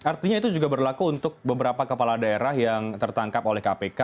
artinya itu juga berlaku untuk beberapa kepala daerah yang tertangkap oleh kpk